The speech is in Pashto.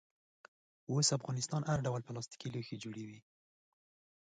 اوس افغانستان هر ډول پلاستیکي لوښي جوړوي.